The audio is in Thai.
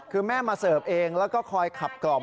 ลูกคอเสิร์ฟเองแล้วก็คอยขับกล่อม